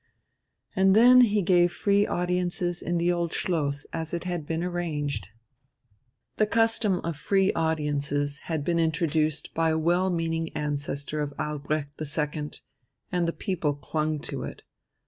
And then he gave free audiences in the Old Schloss, as it had been arranged. The custom of free audiences had been introduced by a well meaning ancestor of Albrecht II, and the people clung to it.